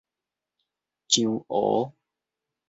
樟湖